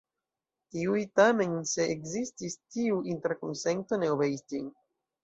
Tiuj tamen se ekzistis tiu interkonsento ne obeis ĝin.